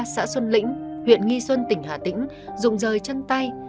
xã xuân lĩnh huyện nghi xuân tỉnh hà tĩnh rụng rời chân tay